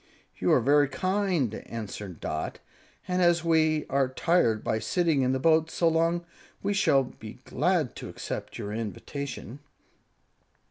"You are very kind," answered Dot, "and as we are tired by sitting in the boat so long, we shall be glad to accept your invitation."